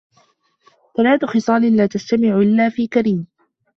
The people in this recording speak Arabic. ثَلَاثُ خِصَالٍ لَا تَجْتَمِعُ إلَّا فِي كَرِيمٍ